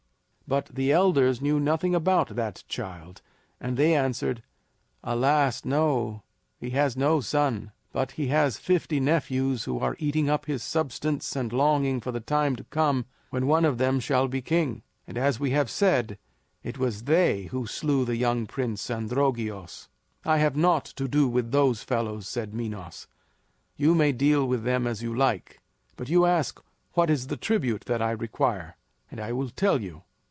But the elders knew nothing about that child, and they answered: "Alas, no! he has no son; but he has fifty nephews who are eating up his substance and longing for the time to come when one of them shall be king; and, as we have said, it was they who slew the young prince, Androgeos." "I have naught to do with those fellows," said Minos; "you may deal with them as you like. But you ask what is the tribute that I require, and I will tell you.